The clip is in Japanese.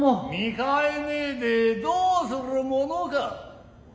見替えねぇでどうするものか。